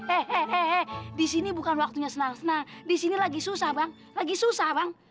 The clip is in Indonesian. hei hei hei disini bukan waktunya senang senang disini lagi susah bang lagi susah bang